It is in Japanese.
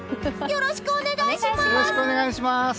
よろしくお願いします！